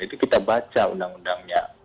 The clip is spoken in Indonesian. itu kita baca undang undangnya